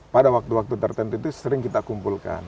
pada waktu waktu tertentu itu sering kita kumpulkan